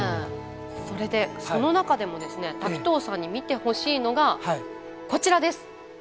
それでその中でもですね滝藤さんに見てほしいのがこちらです。